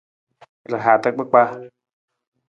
Ra hata kpakpaa.